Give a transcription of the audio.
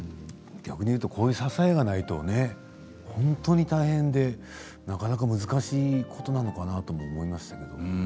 逆に言うと、こういう支えがないと本当に大変でなかなか難しいことなのかなとも思いますよね。